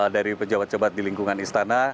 dari pejabat pejabat di lingkungan istana